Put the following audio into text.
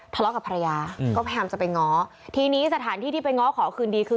ทะเลาะกับภรรยาก็พยายามจะไปง้อทีนี้สถานที่ที่ไปง้อขอคืนดีคือ